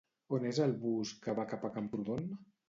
On és el bus que va cap a Camprodon?